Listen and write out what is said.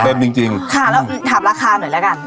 เต็มจริงถามราคาหน่อย